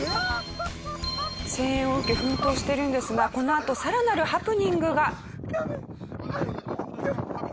声援を受け奮闘してるんですがこのあと更なるハプニングが。